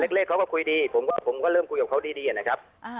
เล็กเล็กเขาก็คุยดีผมว่าผมก็เริ่มคุยกับเขาดีดีอะนะครับอ่า